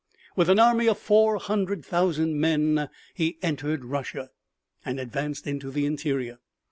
With an army of four hundred thousand men he entered Russia and advanced into the interior.